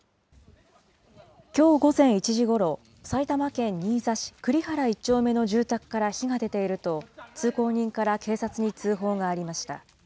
きょう午前１時ごろ、埼玉県新座市栗原１丁目の住宅から火が出ていると、通行人から警察に通報がありました。